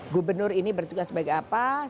gubernur ini bertugas sebagai apa